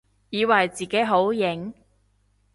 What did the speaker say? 以為自己好型？